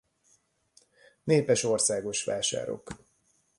Népes országos vásárok.